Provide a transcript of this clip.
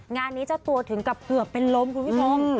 งานนี้เจ้าตัวถึงกับเกือบเป็นลมคุณผู้ชม